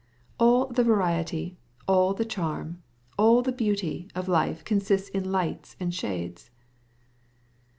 All the variety, all the charm, all the beauty of life is made up of light and shadow."